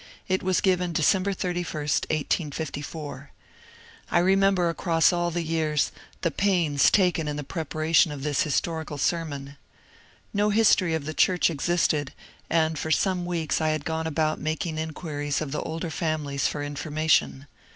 It was given December 81, 1854. I remember across all the years the pains taken in the preparation of this historical ser mon. No history of the church existed, and for some weeks I had gone about making inquiries of the older families for information.